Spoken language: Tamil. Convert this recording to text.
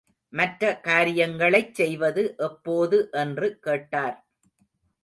மற்ற காரியங்களைச் செய்வது எப்போது என்று கேட்டார்.